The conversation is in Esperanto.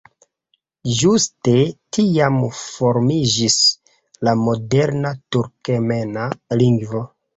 Ĝuste tiam formiĝis la moderna turkmena lingvo.